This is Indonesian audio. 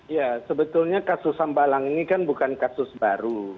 ya sebetulnya kasus sambalang ini kan bukan kasus baru